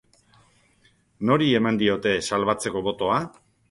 Nori eman diote salbatzeko botoa?